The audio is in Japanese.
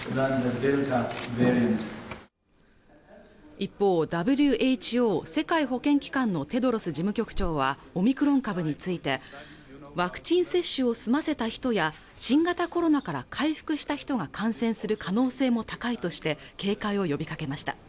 一方ＷＨＯ＝世界保健機関のテドロス事務局長はオミクロン株についてワクチン接種を済ませた人や新型コロナから回復した人が感染する可能性も高いとして警戒を呼びかけました